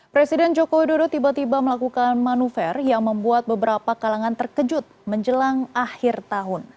presiden jokowi dodo tiba tiba melakukan manuver yang membuat beberapa kalangan terkejut menjelang akhir tahun